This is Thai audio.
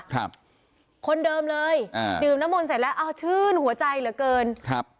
ครับคนเดิมเลยอ่าดื่มน้ำมนต์เสร็จแล้วอ้าวชื่นหัวใจเหลือเกินครับ